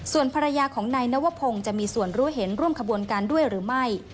ส่วนภรรยาของนายนวพงศ์จะมีส่วนรู้เห็นร่วมขบวนการด้วยหรือไม่